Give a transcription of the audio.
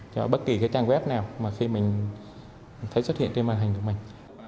cho bất kỳ cái trang web nào mà khi mình thấy xuất hiện trên màn hình của mình